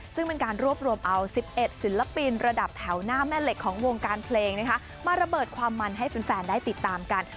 ซึ่งเป็นการรวบรวมเอา๑๑ศิลปินระดับแถวหน้าแม่เหล็กของวงการเพลงมาระเบิดความมันให้แฟนได้ติดตามกัน